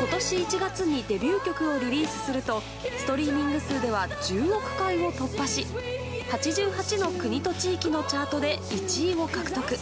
今年１月にデビュー曲をリリースするとストリーミング数では１０億回を突破し８８の国と地域のチャートで１位を獲得。